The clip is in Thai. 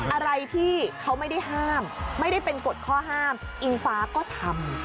อะไรที่เขาไม่ได้ห้ามไม่ได้เป็นกฎข้อห้ามอิงฟ้าก็ทำ